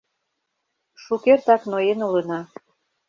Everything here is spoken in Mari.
Шукертак ноен улына.